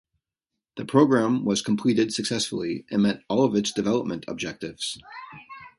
The Program was completed successfully, and met all of its development objectives.